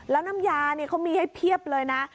แล้วน้ำยานี่เขามีให้เพียบเลยนะ